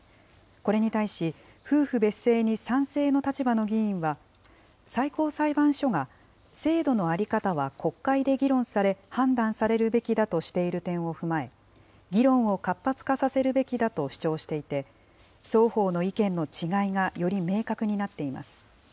これに対し、夫婦別姓に賛成の立場の議員は、最高裁判所が、制度の在り方は国会で議論され、判断されるべきだとしている点を踏まえ、議論を活発化させるべきだと主張していて、双方の意見の違いがより明確になっています。